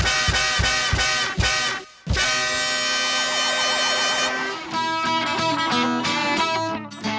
ว่าสิ่งที่เล่นดีเท่าไหร่ของนักบุคกี้